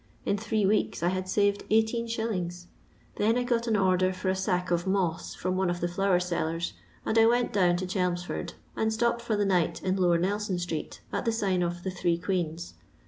In three weeks I had Kved 18«. ; then I got an order for a aack of mosi from one of the flower sellers, and I went down to Chelmsford, and stopped for the night in Lower Nelson street, at the sign of *' The Three Queens."